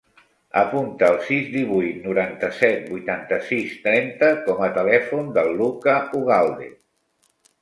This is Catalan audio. Apunta el sis, divuit, noranta-set, vuitanta-sis, trenta com a telèfon del Lucca Ugalde.